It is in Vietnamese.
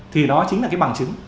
thì đó chính là cái bằng chứng